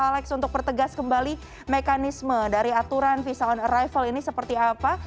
alex untuk pertegas kembali mekanisme dari aturan visa on arrival ini seperti apa